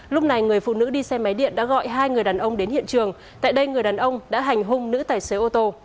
lúc này người phụ nữ đi xe máy điện đã gọi hai người đàn ông đến hiện trường tại đây người đàn ông đã hành hung nữ tài xế ô tô